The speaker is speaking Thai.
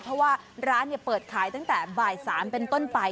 เพราะว่าร้านเปิดขายตั้งแต่บ่าย๓เป็นต้นไป